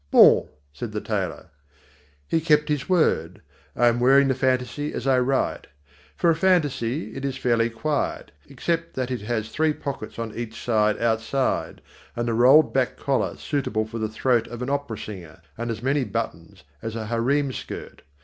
"Bon," said the tailor. He kept his word. I am wearing the fantaisie as I write. For a fantaisie, it is fairly quiet, except that it has three pockets on each side outside, and a rolled back collar suitable for the throat of an opera singer, and as many buttons as a harem skirt.